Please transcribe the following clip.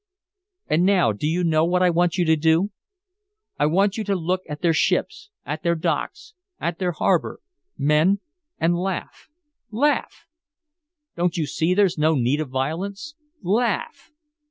"And now do you know what I want you to do? I want you to look at their ships, at their docks, at their harbor, men and laugh laugh! Don't you see there's no need of violence? Laugh!